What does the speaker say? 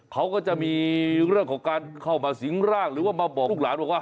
เขาก็จะมีเรื่องของการเข้ามาสิงร่างหรือว่ามาบอกลูกหลานบอกว่า